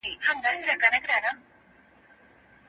سړي د درملو په پلاستیک کې د خپل ماشوم د روغتیا راز موندلی و.